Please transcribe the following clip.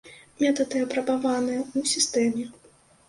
Метады апрабаваныя ў сістэме.